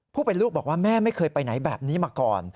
ผู้เป็นลูกบอกว่าแม่ไม่เคยไปไหนแบบนี้มาก่อน